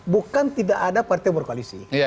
bukan tidak ada partai berkoalisi